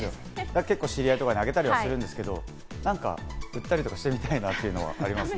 だから知り合いにあげたりはするんですけど、売ったりとかしてみたいなっていうのはあります。